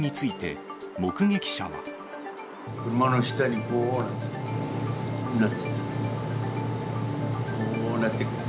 車の下にこうなってた。